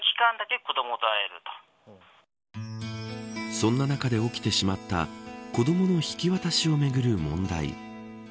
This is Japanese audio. そんな中で起きてしまった子どもの引き渡しをめぐる問題。